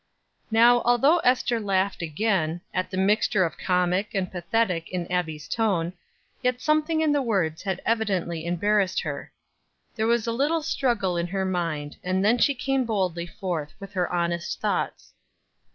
Now although Ester laughed again, at the mixture of comic and pathetic in Abbie's tone, yet something in the words had evidently embarrassed her. There was a little struggle in her mind, and then she came boldly forth with her honest thoughts.